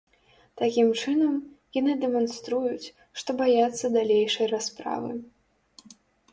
Такім чынам, яны дэманструюць, што баяцца далейшай расправы.